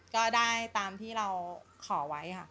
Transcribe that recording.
ก็ได้ตามที่เราขอไว้ค่ะ